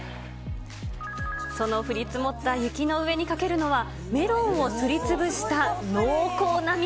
その降り積もった雪の上にかけるのは、メロンをすりつぶした濃厚な蜜。